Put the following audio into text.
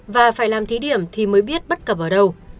và phải làm thí điểm thì mới biết bất cập ở đâu